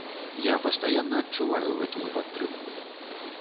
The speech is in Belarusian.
Я пастаянна адчуваю гэтую падтрымку.